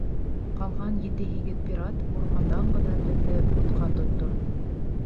Ҡалған ете-һигеҙ пират урмандан ғына беҙҙе утҡа тотто.